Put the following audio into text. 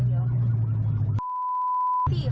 ยกยก